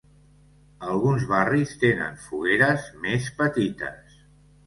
Alguns barris tenen fogueres més petites.